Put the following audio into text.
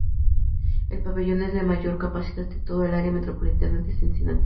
El pabellón es el de mayor capacidad de todo el área metropolitana de Cincinnati.